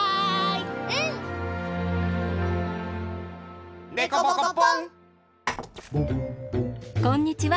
うん！こんにちは。